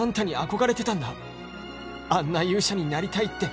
「あんな勇者になりたいって」